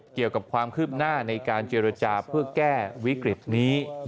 เกี่ยวกับความคืบหน้าในการเจรจาเพื่อแก้วิกฤตนี้